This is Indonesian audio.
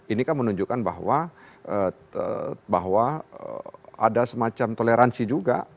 ini kan menunjukkan bahwa ada semacam toleransi juga